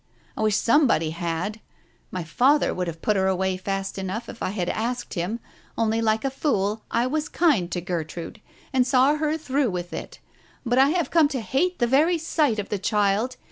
I wish somebody had. My father would have put her away fast enough if I had asked him, only like a fool, I was kind to Gertrude, and saw her through with it. But I have come to hate the very sight of the child